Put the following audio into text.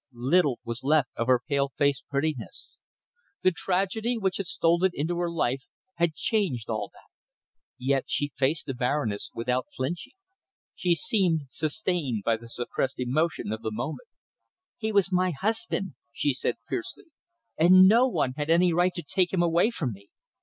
Little was left of her pale faced prettiness. The tragedy which had stolen into her life had changed all that. Yet she faced the Baroness without flinching. She seemed sustained by the suppressed emotion of the moment. "He was my man," she said fiercely, "and no one had any right to take him away from me.